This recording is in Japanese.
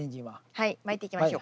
はい。